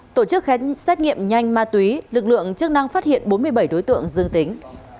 tổ chức xét nghiệm nhanh ma túy lực lượng chức năng phát hiện bốn mươi bảy đối tượng dương tính